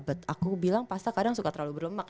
but aku bilang pasta kadang suka terlalu berlemak